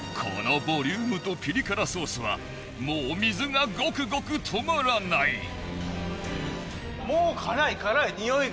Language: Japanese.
このボリュームとピリ辛ソースはもう水がゴクゴク止まらない。